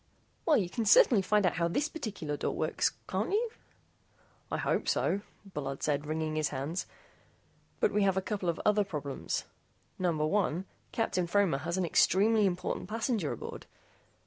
"Well, you certainly can find out how this particular door works, can't you?" "I hope so," Bullard said, wringing his hands. "But we have a couple of other problems. Number one, Captain Fromer has an extremely important passenger aboard.